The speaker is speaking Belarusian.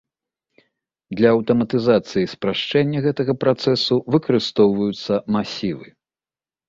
Для аўтаматызацыі і спрашчэння гэтага працэсу выкарыстоўваюцца масівы.